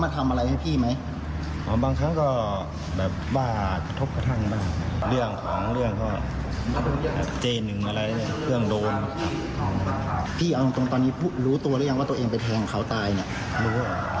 ถ้ายังว่าตัวเองเป็นแทนของเขาตายรู้หรือ